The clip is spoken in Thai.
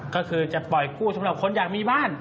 ก็คือจะปล่อยกู้สำหรับคนอยากมีบ้าน